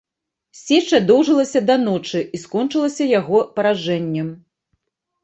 Сеча доўжылася да ночы і скончылася яго паражэннем.